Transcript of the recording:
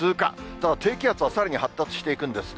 ただ、低気圧はさらに発達していくんですね。